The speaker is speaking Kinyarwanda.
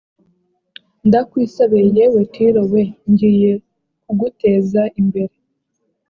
ndakwibasiye yewe tiro we ngiye kuguteza imbere